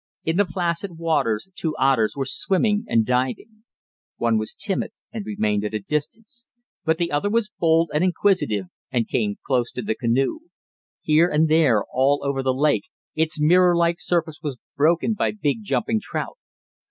In the placid waters two otters were swimming and diving. One was timid and remained at a distance, but the other was bold and inquisitive and came close to the canoe. Here and there all over the lake, its mirror like surface was broken by big jumping trout.